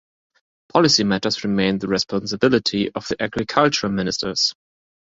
Policy matters remained the responsibility of the Agriculture Ministers.